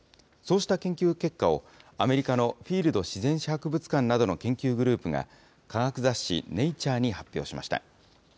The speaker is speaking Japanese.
そうした研究結果を、アメリカのフィールド自然史博物館などの研究グループが、科学雑誌、ネイチャーに発表しました。